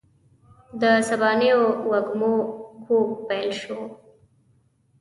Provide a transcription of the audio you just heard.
د سبانیو وږمو ږوږ پیل شو